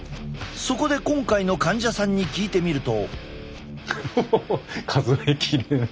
そこで今回の患者さんに聞いてみると。